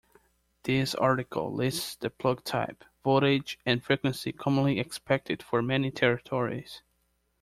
This article lists the plug type, voltage and frequency commonly expected for many territories.